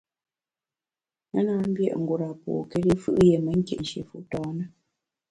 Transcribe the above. Me na mbié’ ngura pôkéri fù’ yié me nkit nshié fu tâ na.